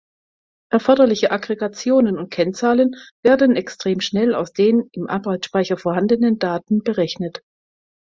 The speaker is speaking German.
Erforderliche Aggregationen und Kennzahlen werden extrem schnell aus den im Arbeitsspeicher vorhandenen Daten berechnet.